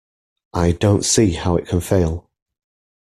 I don't see how it can fail.